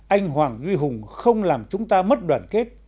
anh hoàng duy hùng không làm chúng ta mất đoàn kết